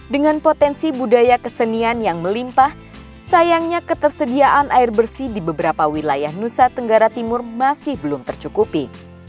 dengan potensi budaya kesenian yang melimpah sayangnya ketersediaan air bersih di beberapa wilayah nusa tenggara timur masih belum tercukupi